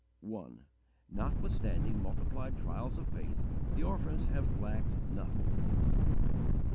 Notwithstanding multiplied trials of faith, the orphans have lacked nothing.